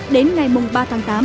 đến ngày ba tháng tám